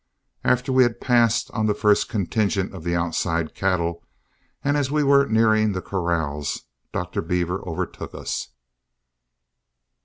After we had passed on the first contingent of the outside cattle, and as we were nearing the corrals, Dr. Beaver overtook us.